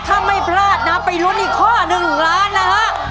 ถ้าไม่พลาดนะไปลุ้นอีกข้อหนึ่งล้านนะฮะ